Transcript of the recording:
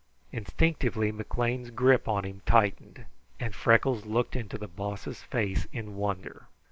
Instinctively McLean's grip on him tightened, and Freckles looked into the Boss's face in wonder.